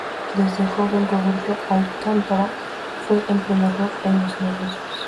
Desde joven, Roberto Alcántara fue emprendedor en los negocios.